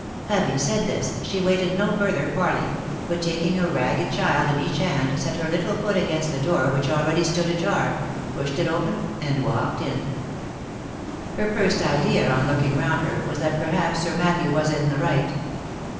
Having said this, she waited no further parley, but taking a ragged child in each hand set her little foot against the door which already stood ajar, pushed it open, and walked in. Her first idea on looking round her was that perhaps Sir Matthew was in the right.